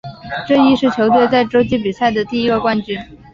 这亦是球队在洲际比赛的第一个冠军。